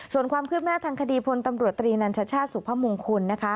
ส่วนความคืบหน้าทางคดีพลตำรวจตรีนัญชชาติสุพมงคลนะคะ